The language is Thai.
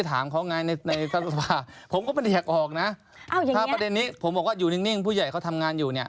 ถ้าประเด็นนี้ผมบอกว่าอยู่นิ่งผู้ใหญ่เขาทำงานอยู่